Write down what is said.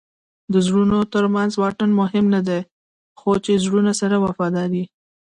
د زړونو ترمنځ واټن مهم نه دئ؛ خو چي زړونه سره وفادار يي.